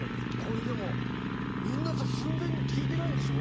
これでも、みんな全然聴いてないんでしょ